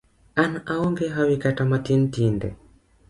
An aonge hawi kata matin tinde.